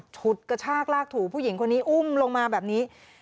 ฉุดกระชากลากถูผู้หญิงคนนี้อุ้มลงมาแบบนี้